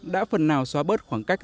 đã phần nào xóa bớt khoảng cách